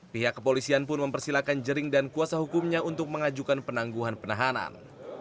pihak kepolisian pun mempersilahkan jering dan kuasa hukumnya untuk mengajukan penangguhan penahanan